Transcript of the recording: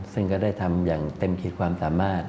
ซึ่งก็ได้ทำอย่างเต็มขีดความสามารถ